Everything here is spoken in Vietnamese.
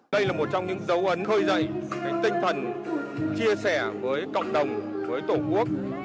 đây là một trong những dấu ấn hơi dậy tinh thần chia sẻ với cộng đồng với tổ quốc